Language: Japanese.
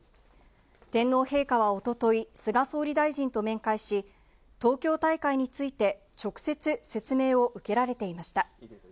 天皇陛下はおととい、菅総理大臣と面会し、東京大会について、直接、説明を受けられていました。